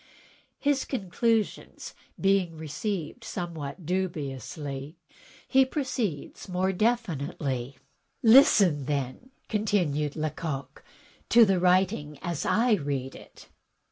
His conclusions being received somewhat dubiously he proceeds more definitely. "Listen, then," continued Lecoq, "to the writing as I read it.